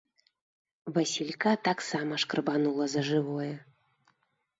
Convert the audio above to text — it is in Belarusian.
Васілька таксама шкрабанула за жывое.